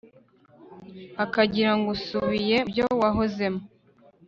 akagira ngo usubiye mu byo wahozemo